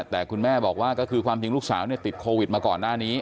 แต่คุณแม่บอกว่าก็คือความจริงลูกสาวติดโควิดมาก่อนหน้านี้